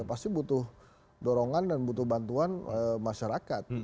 pasti butuh dorongan dan butuh bantuan masyarakat